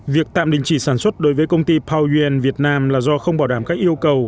việc tạm đình chỉ sản xuất đối với công ty pouen việt nam là do không bảo đảm các yêu cầu